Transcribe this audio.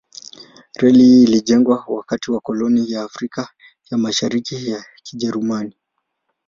Reli hii ilijengwa wakati wa koloni ya Afrika ya Mashariki ya Kijerumani.